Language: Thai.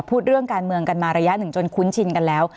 พูดเรื่องการเมืองกันมาระยะหนึ่งจนคุ้นชินกันแล้ว